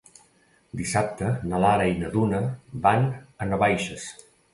Dissabte na Lara i na Duna van a Navaixes.